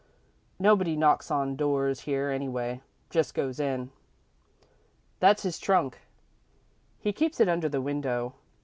Nobody knocks on doors here, anyway just goes in. "That's his trunk. He keeps it under the window.